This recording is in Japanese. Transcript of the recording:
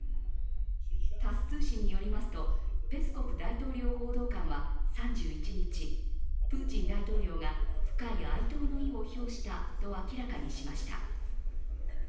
タス通信によりますと、ペスコフ大統領報道官は３１日、プーチン大統領が深い哀悼の意を表したと明らかにしました。